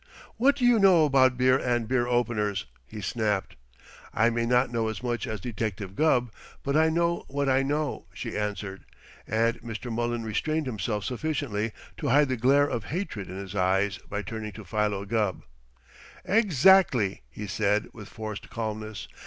"What do you know about beer and beer openers?" he snapped. "I may not know as much as Detective Gubb, but I know what I know!" she answered, and Mr. Mullen restrained himself sufficiently to hide the glare of hatred in his eyes by turning to Philo Gubb. "Exactly!" he said with forced calmness.